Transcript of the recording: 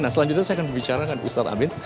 nah selanjutnya saya akan berbicara dengan ustadz amin